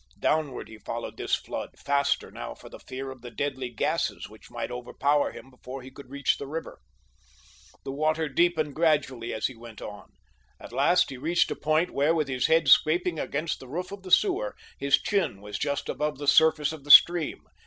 Downward he followed this flood—faster now for the fear of the deadly gases which might overpower him before he could reach the river. The water deepened gradually as he went on. At last he reached a point where, with his head scraping against the roof of the sewer, his chin was just above the surface of the stream.